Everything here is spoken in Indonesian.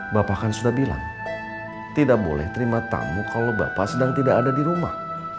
bapak kan sudah bilang tidak boleh terima tamu kalau bapak sedang tidak ada di rumah